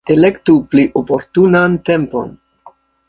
Elektu pli oportunan tempon.